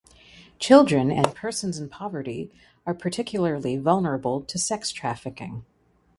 Children and persons in poverty are particularly vulnerable to sex trafficking.